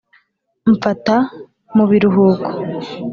mfata mu biruhuko.